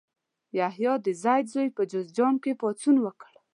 یحیی د زید زوی په جوزجان کې پاڅون وکړ.